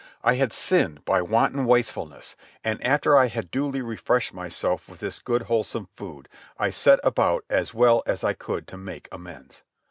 I had sinned by wanton wastefulness, and after I had duly refreshed myself with this good wholesome food, I set about as well as I could to make amends.